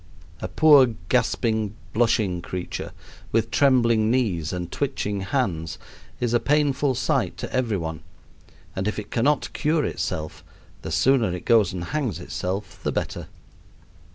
A poor gasping, blushing creature, with trembling knees and twitching hands, is a painful sight to every one, and if it cannot cure itself, the sooner it goes and hangs itself the better.